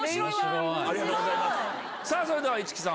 それでは市來さん